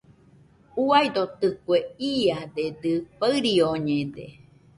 Uaidotɨkue, iadedɨ fairioñede.